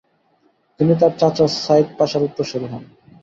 তিনি তার চাচা সাইদ পাশার উত্তরসুরি হন।